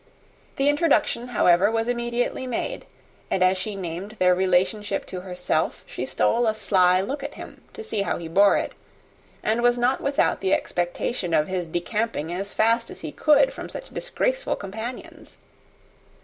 The introduction, however, was immediately made; and as she named their relationship to herself, she stole a sly look at him, to see how he bore it; and was not without the expectation of his decamping as fast as he could from such disgraceful companions.